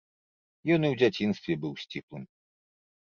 Ён і ў дзяцінстве быў сціплым.